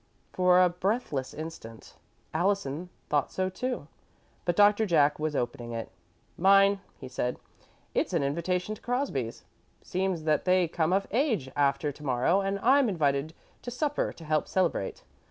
For a breathless instant Allison thought so, too, but Doctor Jack was opening it. "Mine," he said. "It's an invitation to Crosby's. It seems that they come of age day after to morrow, and I'm invited out to supper to help celebrate.